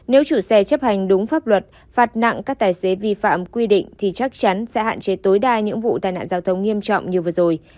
nếu chủ xe chấp hành đúng pháp luật phạt nặng các tài xế vi phạm quy định thì chắc chắn sẽ hạn chế tối đa những vụ tai nạn giao thông nghiêm trọng như vừa rồi